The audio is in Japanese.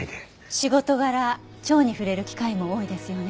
仕事柄蝶に触れる機会も多いですよね。